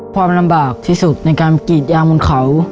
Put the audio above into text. ความลำบากที่สุดในการกรีดยางบนเขา